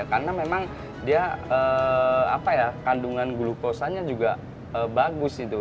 karena memang dia apa ya kandungan glukosanya juga bagus itu